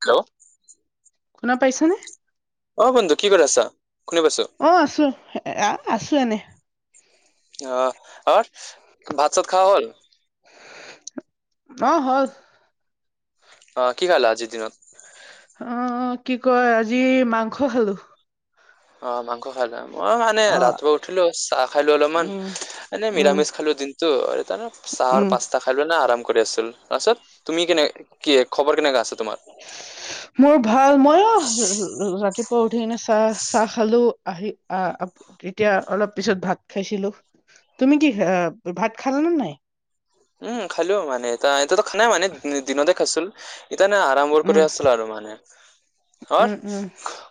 Hello. শুনা পাইছা নে? অ বন্ধু কি কৰি আছা? শুনি পাইছো অ আছো এ আছো এনে। আহ আৰু ভাত চাত খোৱা হ'ল? অঁ হল। অ কি খাল আজিৰ দিনত। অ' কি কয় আজি মাংস খালো। অ মাংস খালা। মই মানে অ ৰাতিপুৱা উঠিলো চাহ খাইলো অলপমান উম এনে উম নিৰামিষ খালো দিনটো আৰু চাহ আৰু উম পাস্তা খালো ইনে আৰম কৰি আছিল তাৰপিছত তুমি কেনেকে। মোৰ ভাল মইও ৰাতি। উঠি কেনে চাহ চাহ খালো আহি আহ তেতিয়া অলপ পিছত ভাত খাইছিলো। তুমি কি ভাত খাল নে নাই? উম খালোও মানে এ এতিয়াতো খোৱানাই মানে দিনতে খাইছিলো। ইতি নে আৰাম কৰি উম আছিলো আৰু মানে। হ উম উম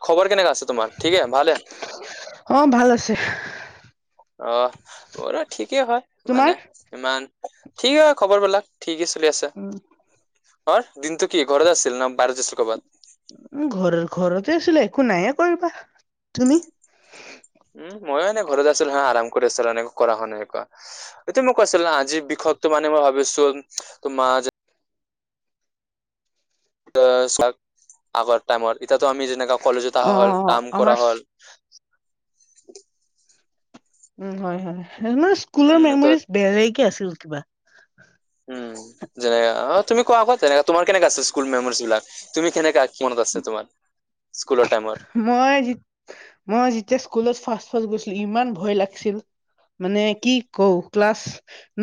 খবৰ কেনেকে আছে তোমাৰ ঠিকে ভালে। অ ভাল আছে। অ মোৰো ঠিকেই হয়, তোমাৰ মানে ইমান ঠিকেই হয় খবৰ বিলাক। ঠিকে চলি আছে, উ অ দিনটো কি ঘৰতে আছিল ন বাহিৰত আছিল কবাত? উম, ঘৰৰ ঘৰতে আছিলা একো নাই কৰিবা তুমি? উম, ময়ো এনেে ঘৰত আছিলো হ আৰাম কৰি আছিলো এনেকে কৰা হ নাই এনেকোৱা তুমি কৈছিলা। আজি বিষয়তো মানে মই ভাবি আছো তোমাৰ চ আগৰ টাইমত [unintelligible] এতিয়াতো আমি যেনেকা কলেজত অহা অ হল কাম কৰা আমাৰ হ'ল। উম হয় হয়, স্কুলৰ উম ত মেমৰিজ বেলেগে আছিল কিবা। উম, যেনে অ তুমি কোৱা আকৌ যেনেকে তোমাৰ কেনেককা আছে স্কুল মেমৰিজ বিলাক তুমি কেনে। টাইমৰ? মইজ মই যেতিয়া স্কুলত ফাষ্ট [unintelligible] গৈছিল ইমান ভয় লাগিছিল। মানে কি ক ক্লাছ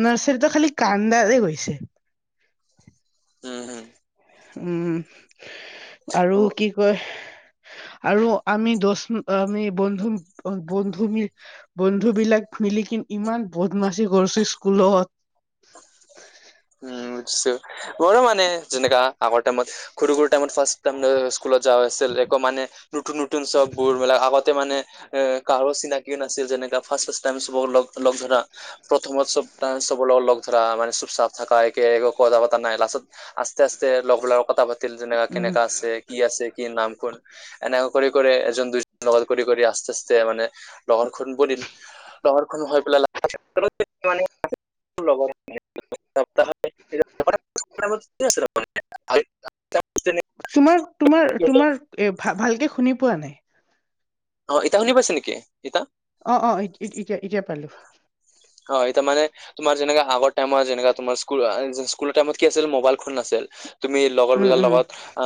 নাৰ্চাৰীটো খালি কান্দাৰে গৈছে। উম হম। উম, আৰু কি কয় আৰু। আমি দ আমি বন্ধু বন্ধু বন্ধু বিলাক মিলিকিন ইমান। [unintelligible] বদমাশি কৰিছো স্কুলত। উম। উ বুজিছো বৰ মানে যেনেকা আগৰ টাইমত সৰু টাইমত ফাৰ্ষ টাইম [unintelligible] স্কুলত যাোৱা হৈছিল একো মানে নতুন নতুন চব বোৰ মিলাক আগতে মানে। এ কাৰো চিনাকিও নাছিল, যেনে ফাষ্ট লগ ধৰা প্ৰথমত চব। [unintelligible] চব লগত লগ ধৰা মানে চুপ চাফ থাককা একে একো কথা পতা নাই লাষ্টত আস্ত আ্ত লগ ধোৱাৰ কথা পা। [unintelligible] যেনে উম কেনেকা আছে কি আছে কি নাম কোন এনে। কৰি কৰি এজন দুইজন লগ কৰি কৰি আস্তে আস্তে মানে লগৰখন পৰিল। লৰ খ হৈ পেলাই। অ [unintelligible] তোমাৰ, তোমাৰ তোমাৰ ভ ভালকে শুনি পোৱা নাই। অ' এতিয়া শুনি পাইছে নেকি? ইতা অ অ এতিয়া এতিয়া। পালো হয়, এতিাৰ মানে তোমাৰ যেনেকা আগৰ টাইমত যেনে তোমাৰ স্কুল। স্কুলৰ টাইমত কি আছিল মোবাইল ফোন নাছিল। তুমি লগৰ উম বিলাৰ উম লগত অ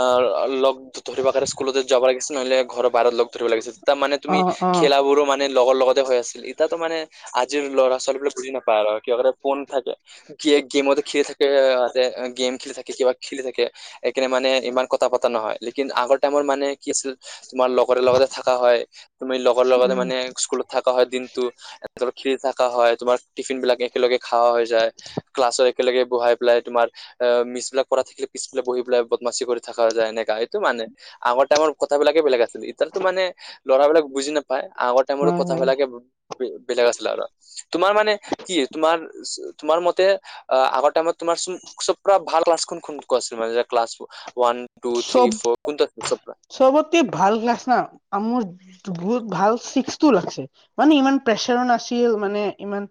লগ ধৰিবাখৰে স্কুলতে যাব লাগিছিল নহলে ঘৰৰ বাহিৰত লগ। ধৰিব লাগিছিল মানে অ তুমি অ খেলাবোৰো মানে লগৰ লগত হৈ আছিল ইতিতো মানে আজিৰ ল'ৰা ছোৱালীবিলাক বুজি নাপায় আৰু ফোন থাকে গে গেমত খেলি থাকেতে গেম খেলি থাকে কিবা খেলি থাকে সেইকাৰণে মানে ইমান কথা পতা নহয় লেকিন আগৰ টাইমৰ মানে কি আছিল তোমাৰ লগৰ হয় তুমি লগৰ লগতে উম মানে স্কুলত থাকা হয় দিনতটো খেলি থকা হয় তোমাৰ টিফিন বিলাক একেলগে খোৱা হৈ যায় ক্লাছত একেলগে বহাই পেলাই তোমাৰ [unintelligible] অ মিছ বিলাক কৰা থাকিলে পিছফালে বহি পেলাই বদমাচি কৰি থাকা যায় এনেকা এইটো মানে আগতে আমাৰ কথা বিলাকে বেলেগ আছিল এতিয়াতো মানে ল'ৰাবিলাক বুজি নাপাই আগৰ টাইমো হয় হয় কথাবিলাকে বেলেগ আছিলে আৰু তোমাৰ মানে কি তোমাৰ তোমাৰ মতে আগৰ টাইমত তোমাৰ ক্লাছকোন খন আছিল মানে ক্লাছ ওৱান টো থ্ৰী চব ফ কোনটো আছিল [unintelligible] চবতে ভাল ক্লাছ না মোৰ বহুত ভাল চিকটো লাগছে মানে ইমান প্ৰেচাৰ নাছিল মানে ইমান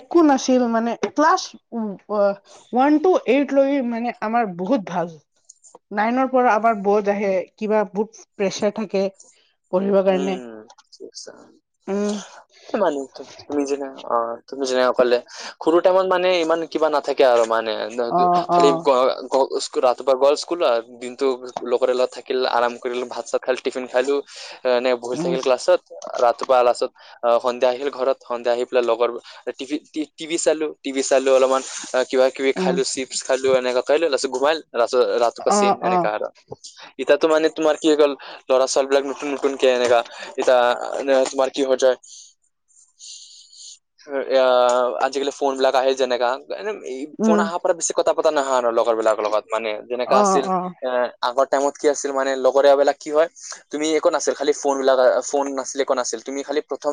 একো নাছিল মানে ক্লাছ উ ওৱান টু এইট লৈ মানে আমাৰ বহুত ভাল নাইনৰ পৰা আমাৰ বহুত আহে কিবা বহুত প্ৰেচাৰ থাকে কৰিবৰ কাৰণে উম কি মানু্হ তুমি যেনে অ তুমি যেনে অকলে সৰু টাইমত মানে ইমান কিবা নাথাকে আৰু মানে অ অ খালি গ গ ৰাতিপুৱা গাল স্কুল দিনতটো লগৰীয়া লগত থাকিলে আৰাম কৰি ভাত চাত খাই টিফিন খাইলো নাই ভুল উম থাকিল ক্লাছত ৰাতিপুৱা লাছত অ সন্ধিয়া আহিল ঘৰত সন্ধিয়া আহি পেলাই লগৰ টিভি চালো টিভি চালো অলপমান কিবা কিবি উম খালো চিপছ খালো এনেকা লাষ্টত ৰাতিপুৱা অ ছেম অ এনেকা আৰু ইতিতো মানে তোমাৰ কি হৈ গল ল'ৰা ছোৱালী বিলাক নতুন নতুন তোমাৰ কি হৈ যায় আজিকালি ফোন বিলাক আহে যেনেকা এনে ই ফোন উম অহাৰ পৰা বেছি কথা পতা নহয় আৰু লগৰ বিলাকৰ লগত মানে যেনেকা অ আছিল অ এ আগৰ টাইমত কি আছিল মানে লগৰীয়া বিলাক কি হয় তুমি একো নাছিল খালি ফোন বিলাক ফোন নাছিলে একো নাছিল তুমি খালি প্ৰথম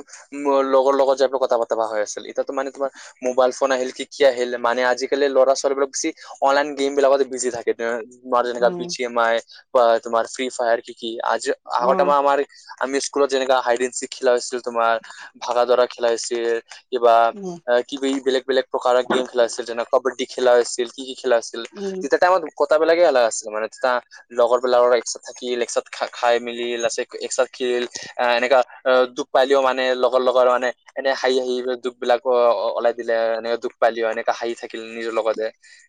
লগৰ লগত যাই পেলাই কথা বতৰা হৈ আছিল এতিয়া মানে তোমাৰ মোবাইল ফোন আহিল কি কি আহিল মানে আজিকালি ল'ৰা ছোৱালীবিলাক বেছি অনলাইন গেম বিলাকত থাকে তোমাৰ যেনেকা উম বিম আই বা তোমাৰ ফ্ৰী ফায়াৰ কি কি আজ অ আগত আমি স্কুলত যেনেকা হাইডেন চিক খেলা হৈছিল তোমাৰ ভাগা ডৰা খেলা হৈছিল কিবা উম কি বেলেগ বেলেগ প্ৰকাৰৰ গেম খেলা হৈছিল যেনে কাবাড্ডী খেলা আছিল কি কি খেলা আছিল উম তেতিয়া টাইমত কটাবিলাকে আলগ আছিল মানে তেতিয়া লগৰবিলাকৰ এক থাকি একচাত খাই মেলি [unintelligible] এক চাত খেল অ এনেককা অ ডুপ পাইলেও মানে লগৰ লগৰ মানে এনে হাঁহি হাঁহি স বিলাক ওলাই দিলে এনেকে দুখ পালে এনেকা হাঁহি থাকিলে নিজৰ লগতে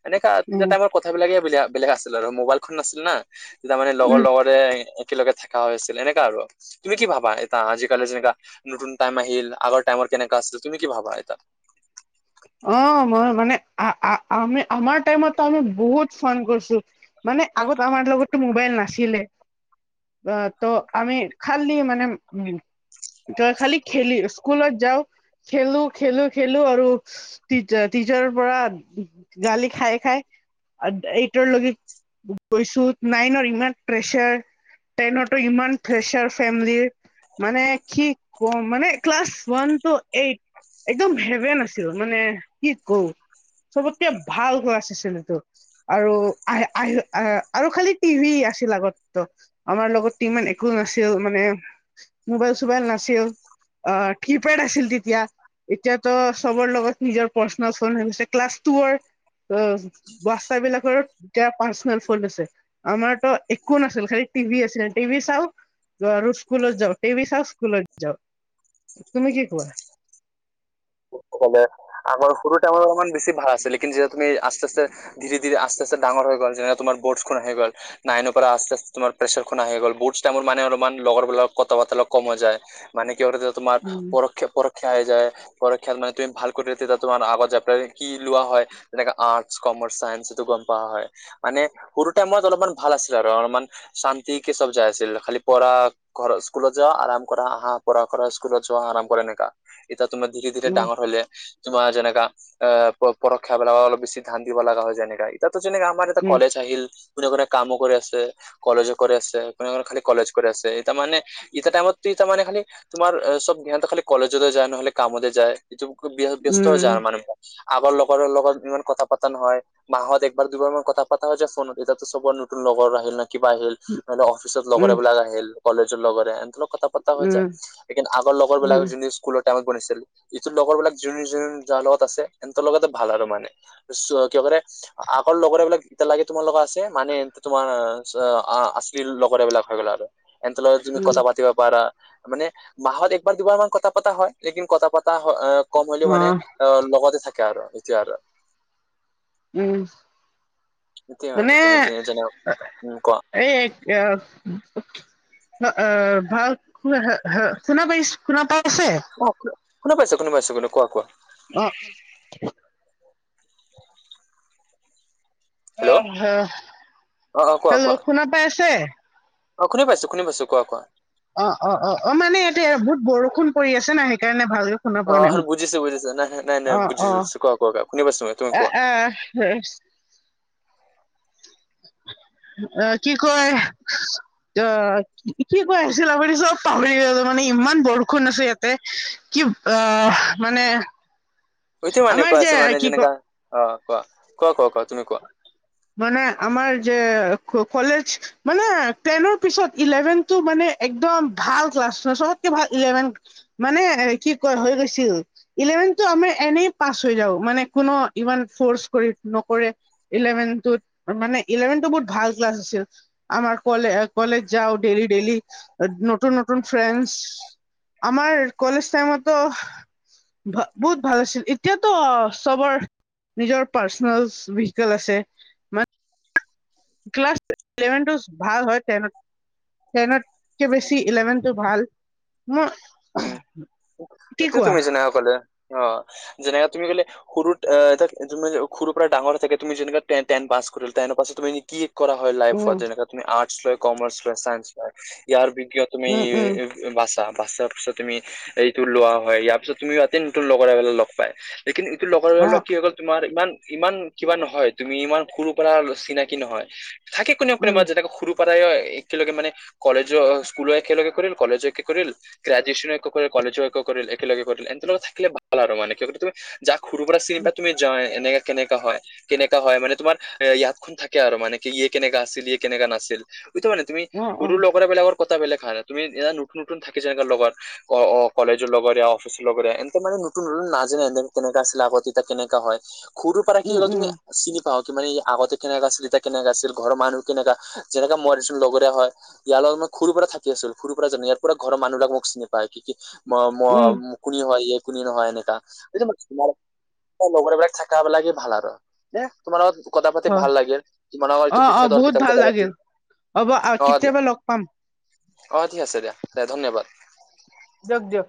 এনেকা তেতিয়া উম টাইমৰ কথাবিলাকে বেলে বেলেগ আছিল আৰু মোবাইলখন নাছিল না [unintelligible] তাৰ মানে উম লগৰ লগৰে একেলগে থাকা হৈছিল এনেকে আৰু তুমি কি ভাবা এটা আজিকালি যেনেকা নতুন টাইম আহিল আগৰ টাইমৰ কেনেকা আছিল তুমি কি ভাবা এটা অ মই মানে আমি আমাৰ টাইমতো আমি বহুত ফোন কৰিছো মান মানে আগত আমাৰ লগতটো মোবাইল নাছিলে অ ত আমি খালি মানে উম তই খালি খেলি স্কুলত যাওঁ খেলো খেলো খেলো আৰু টিচাৰ টিচাৰৰ পৰা গালি খাই খাই এইটৰ লকে গৈছো নাইন ইমান প্ৰেচাৰ টেনতো ইমান প্ৰেছাৰ ফেমিলিৰ মানে কি কম মানে ক্লাছ ওৱান টু এইট একদম হেভেন আছিলে মানে কি কওঁ চবতকে ভাল ক্লাছ আছিলে এইটো আৰু আহ আহ আহ আৰু খালি টিভি আছিল আগতো আমাৰ লগত টি একো নাছিল মানে মোবাইল চোবাইল নাছিল। অ কিপেড আছিল তিতিয়া ইতিয়াতো চবৰ লগত নিজৰ পশ্ন চন হৈছে ক্লাছ টোৱৰ ঔহ বস্তা বিলাকৰো এতিয়া পাৰ্চনেল ফন্ট আছে আমাৰতো একো নাছিল। খালি টিভি আছিৰে টিভি চাও য আৰু স্কুলত যাওঁ টিভি চাও স্কুলত যাওঁ। তুমি কি কোৱা? [inaudible] অকলে আগৰ সৰুতে আমাৰ অকমান বেছি ভাৰ আছিলে কিন যে তুমি আস্তে আস্তে ধীৰে ধীৰে আস্তে আস্তে ডাঙৰ হৈ‌ গল যেনে তোমাৰ বৌটচখন আহি গল নাইনৰ পৰা আস্তে আস্তে তোমাৰ প্ৰেচাৰখন‌ আহি গল বৌটচ টাইমৰ মানে অলমান লগৰ বোলক কতা পতা অলপ কম হৈ যায় মানে কি হয় ৰ তোমাৰ উম পৰৈক্ষা পৰৈক্ষা আহি যায়। [unintelligible] খেল মানে তু ভাল কৰিত তোমাৰ আগৰ চেপ্তাৰটো কি লোৱা হয় যেনেকে আৰ্টছ কমাৰ্চ চায়ন্স সেইটো গম পা। হয় মানে সৰু টাইমত অলপমান ভাল আছিল আৰু অলমান শান্তিকে চব যাই আছিল খালি পঢ়া ঘৰ স্কুলত যোৱা আৰাম কৰা আহা পঢ়া কৰা স্কুলত যোৱা আৰাম কৰে এনেকা এতিয়া তোমাৰ ধীৰে ধী উম ডাঙৰ হলে তোমাৰ যেনেকা এ পৰীক্ষা বিলাক অলপ বেছি ধান দিব লগা হয় যেনেকা ইতাত যেনেকে আমাৰ এটা উম কলেজ আহিল কোনে কোনে কামো কৰি আছে, কলেজো কৰে আছে কোনে কোনে খালি কলেজ কৰি আছে ইতামানে ইতা টাইমতি টামানে খালি তোমাৰ সব ধ্যানত খালি কলেজলৈ যায় নহলে কামলে যায়। ইটো বুকো ব্য ব্যস্ত হৈ উম যা মানুহে। আগৰ লগৰৰ লগত ইমান কথা পাতা নহয় মাহত একবাৰ দুইবাৰমান কথা পাতা হৈ যায় ফোনত এতিয়াতো চবই নতুনৰু। লগৰ আহিল না কিবা আহিল ধৰিল অফিচত উম লগৰবিলাক আহিল কলেজত লগৰে আহে। কথা পতা হৈ উম যায় লেকিন আগৰ লগৰ বিলাক উম জিন জিন স্কুলৰ টাইমত পৰিছিল। ইটো লগৰ বিলাক জোন জোন যাৰ লগত আছে এতৰ লগতে ভাল আৰু মানে চ কেবাৰে আক অকল লগৰেবিলাক এতিয়ালেগে তোমাৰ লগত আছে মানে তোমাৰ আশ্লি লগৰে বিলাক হৈ গ'ল আৰু। এন্ট লত তুমি উম কথা পাতিব পাৰা মানে মাহত একবাৰ দুবাৰ মান কথা পাতা হয় লেকিন কথা পাত টা হ এ কম হলেও মানে অ লগতে থাকে আৰু এতিয়া‌ আৰু। উম। সেইটোৱে মানে তুমি যেনে উম কোৱা এই অ অ ভাল শু শুনা বাইচ শুনা পা। অ শুনা পাইছো শুনা পাইছো কুনে কোৱা কোৱা। অঁ! অ হেল্ল' সে অ অ কোৱা হেলৌ কোৱা শুনা পাই আছে। অ খুনি পাইছো খুনি পাইছো কোৱা কোৱা। অ অ অ অ মানে ইয়াতে বহুত বৰষুণ পৰি আছে নাই সেইকাৰণে। ভালকে শুনা পোৱা অ নাই সে মোক। বুজিছো বুজিছো নাই নাই নাই নাই অ', বুজিছো অ', বুজিছো ক ক কোনে কৈছো তুমি কোৱা। [inaudible] চিক। অ কি কয় অ কি কৈ আছিল আপুনি চব পাহৰি গেল মানে। ইমান বৰষুণ আছো ইয়াতে কি অ মানে। সটো মানে আমাৰ যে কোৱাচোন মানে কি ক যেনেকা অ কোৱা কোৱা কোৱা কোৱা তুমি কোৱা। মানে আমাৰ যে কলেজ মানে টেনৰ পিছত ইলেভেনটো মানে একদম ভাল ক্লাছ চবতকে ভাল ইলেভেন মানে কি ক হৈ গৈছিল। ইলেভেনটো আমি এনেই পাছ হৈ যাওঁ মানে কোনো ইমান ফৰ্চ কৰি নকৰে ইলেভেন। মানে ইলেভেনটো বহুত ভাল ক্লাছ আছিল আাৰলে কলেজ যাও ডেইলি ডেইলি। নতুন নতুন ফ্ৰেণ্ডচ আমাৰ কলেজ টাইমতো ভা বহুত ভাল আছিল এতিয়াতো চবৰ নিজৰ পাৰ্চনেলচ ভিকেল আছে মানে ক্লাছ ইলেভেনটোচ ভাল হয় টেনত। টেনতকে বেছি ইলেভেনটো ভাল। মই উম কি সেটুৱে কোৱা তুমি জানা সকলোৱে। অ যেনেকা তুমি ক'লে সৰু এ এটা সৰুৰ পৰা ডাঙৰ হৈ থাকে তুমি যেনেকা টেন পাছ। কৰিল তাইনে পাছ তুমি কি কৰা হয় লাইফত উম যেনেকাে তুমি আৰ্টচ লয় কমাৰ্চ লয় ছায়েস লয় ইয়াৰ- কিয় তুমি উম উম বাচা বাচা- তাৰপিছত তুমি এইটো লোৱা হয় ইয়াৰ পিছত তুমি ইয়াতে নো লগৰ এবিলাক লগ পাই- এই কিন্তু এইটো লগৰ অ ল'ৰা কি হৈ গল তোমাৰ ইমান ইমান কিবা নহয় তুমি ইমান সৰু পৰা চিনাকি নহয় থাকে কোনে উম প্ৰেমত যেনেকৈ সৰু একেলগে মে কলেজো স্কুল একেলগে কৰিল কলেজো একে কৰিল। গ্ৰাজুৱচন এক কৰিলে কলেজো একো কৰি একেলে কৰিলে এন্ত লগত থাকিল ভাল আৰু মান কি তুমি যাক সৰুৰ পৰা চিনি পা তুমি যা এনেকে- কেনেককা হয় কেনেককাা হয় মানে তোমাৰ ইয়াতখনন থাকে আৰু মানে কি ইয়ে কেনেককাা আছিল ইয়ে কেনেককা নাছিল কতে পাৰ না মান তুমি অ অ সৰু লগৰা বেলেগ কথা বেলে খা ন তুমি নতুন নতুন থাকা। নে লগত অ কলেজৰ লগৰ অফিৰ লগৰ এনে মানে নতুন নতুন নাজানে এ কেনেককা আছিলে আ- তেতিয়া কেনেকাা হয় সৰুৰ পৰা কি উম হ'লে তুমি উম চিনি পাও- কি মানে আগতে কেনেককা আছিল এতিয়া কেনেককা আছিল ঘৰৰ মানুহ কেনেকা যেনেকা ম লগৰীয়া হয় ইয়াৰ লগতান- সৰুৰ পৰা থাকি আছিল সৰুৰ পৰা জানো ইয়াৰ পৰা ঘৰৰ মু বিিলাক মোক চিনি পায় কি কি মু উম কুনি হয়। শুনি নহয় এনেকাটো তোমাৰ লগৰবিলাক চাক বিলাকি ভাল আৰু নে তোমাৰ লগত কথা পাতি হয় ভাল লাগে কি মানাৰটো অ অ বিখ্যয়াত হৰ বহুত কিতাপ ভাল কথা পাতি। লাগিল হ'ব আহ কেতিয়াবা লগ পাম। অ ঠিক আছে দিয়া দে ধন্যবাদ- দিয়ক দিয়ক।